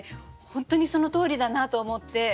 本当にそのとおりだなと思って。